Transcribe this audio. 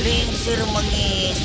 tidak ada apa apa